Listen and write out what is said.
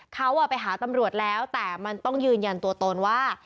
เขาไปหาตำรวจแล้วแต่มันต้องยืนยันตัวตนว่า